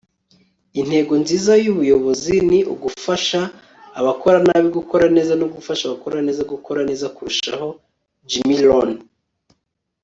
intego nziza y'ubuyobozi ni ugufasha abakora nabi gukora neza no gufasha abakora neza gukora neza kurushaho. - jim rohn